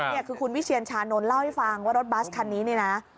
นี่คือคุณวิเชียนชานนท์เล่าให้ฟังว่ารถบัสคันนี้เนี่ยนะ